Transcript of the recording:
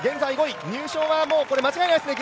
入賞は間違いないですね。